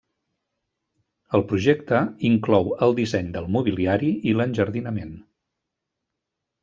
El projecte inclou el disseny del mobiliari i l’enjardinament.